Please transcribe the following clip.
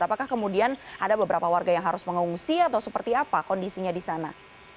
apakah kemudian ada beberapa warga yang harus mengungsi atau seperti apa kondisinya di sana